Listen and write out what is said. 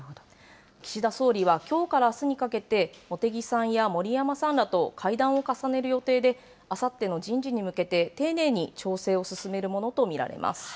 岸田総理はきょうからあすにかけて、茂木さんや森山さんらと会談を重ねる予定で、あさっての人事に向けて、丁寧に調整を進めるものと見られます。